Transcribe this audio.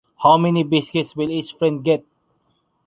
How many biscuits will each friend get?